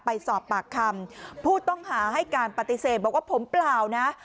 ไปสอบปากคำผู้ต้องหาให้การปฏิเสธบอกว่าผมเปล่านะ